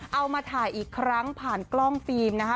เอามาถ่ายอีกครั้งผ่านกล้องฟิล์มนะคะ